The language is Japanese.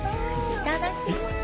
いただきまーす。